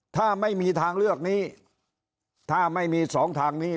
ถ้าไม่มีทางเลือกนี้ถ้าไม่มีสองทางนี้